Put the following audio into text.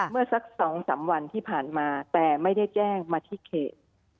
เมื่อสัก๒๓วันที่ผ่านมาแต่ไม่ได้แจ้งมาที่เขต